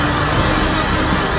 aku tidak percaya